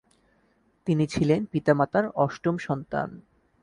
তিনি ছিলেন পিতা-মাতার অষ্টম সন্তান ।